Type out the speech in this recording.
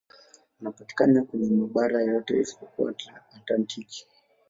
Wanapatikana kwenye mabara yote isipokuwa Antaktiki.